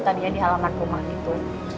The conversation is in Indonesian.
tadinya di halaman rumah itu